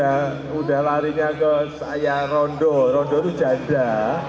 ya udah larinya ke saya rondo rondo itu janda